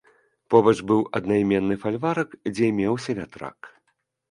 Побач быў аднайменны фальварак, дзе меўся вятрак.